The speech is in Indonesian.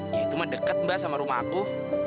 ya itu mah deket mbak sama rumahku